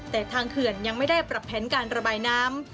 แต่ทางเขื่อนยังไม่ได้ปรับแผนการระบายน้ำ